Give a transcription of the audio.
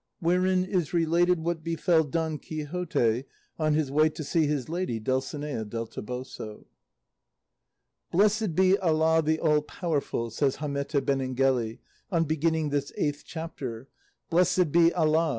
WHEREIN IS RELATED WHAT BEFELL DON QUIXOTE ON HIS WAY TO SEE HIS LADY DULCINEA DEL TOBOSO "Blessed be Allah the all powerful!" says Hamete Benengeli on beginning this eighth chapter; "blessed be Allah!"